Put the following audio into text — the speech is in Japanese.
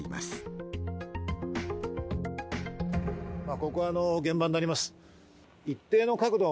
ここ現場になります。